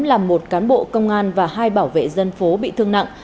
làm một cán bộ công an và hai bảo vệ dân phố bị thương nặng